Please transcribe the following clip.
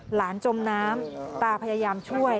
จมน้ำตาพยายามช่วย